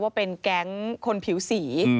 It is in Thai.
ว่าเป็นแก๊งคนผิวสี